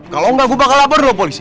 kalau enggak gua bakal laporin lo polisi